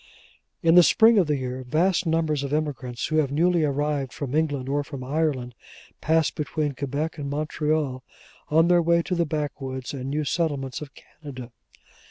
In the spring of the year, vast numbers of emigrants who have newly arrived from England or from Ireland, pass between Quebec and Montreal on their way to the backwoods and new settlements of Canada.